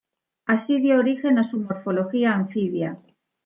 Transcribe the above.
Así dio origen a su morfología anfibia.